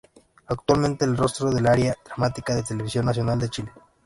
Actualmente es rostro del área dramática de Televisión Nacional de Chile.